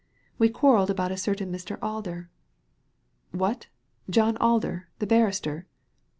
We quarrelled about a certain Mr. Alder." "What I John Alder the barrister?"